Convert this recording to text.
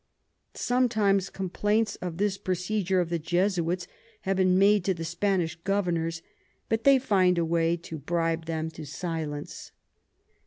Sometimes Complaints of this Procedure of the Jesuits have been made to the Spanish Governours, but they find a way to bribe them to silence.